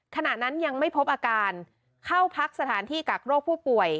ขณะนั้นยังไม่พบอาการเข้าพักสถานที่กักโรคผู้ป่วย